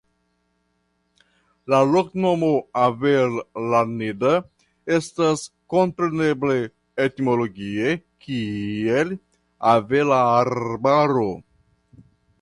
La loknomo "Avellaneda" estas komprenebla etimologie kiel "Avelarbaro".